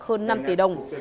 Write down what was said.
hơn năm tỷ đồng